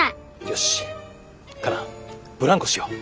よしカナブランコしよう。